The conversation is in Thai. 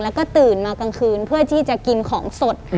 แล้วก็ตื่นมากลางคืนเพื่อที่จะกินของสด